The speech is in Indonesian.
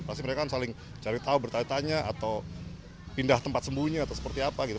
pasti mereka kan saling cari tahu bertanya tanya atau pindah tempat sembunyi atau seperti apa gitu